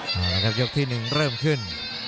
แล้วครับยกที่หนึ่งเริ่มขึ้น